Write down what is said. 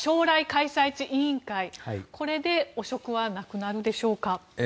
開催地委員会、これで汚職はなくなるでしょうか。